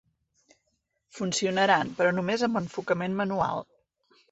Funcionaran, però només amb enfocament manual.